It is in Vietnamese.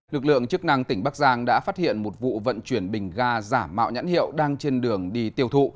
lực lượng chức năng tỉnh bắc giang đã phát hiện một vụ vận chuyển bình ga giả mạo nhãn hiệu đang trên đường đi tiêu thụ